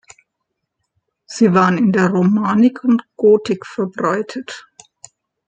Sie waren in der Romanik und Gotik verbreitet.